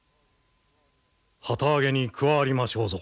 旗揚げに加わりましょうぞ。